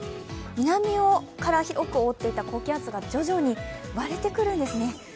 南から広く覆っていた高気圧が徐々に割れてくるんですね。